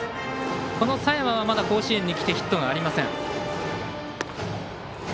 この佐山は甲子園に来てヒットがありません。